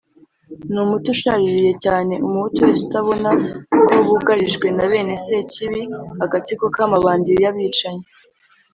Ni umuti ushaririye cyane, umuhutu wese utabona ko bugarijwe na bene Sekibi, agatsiko k'Amabandi y'abicanyi,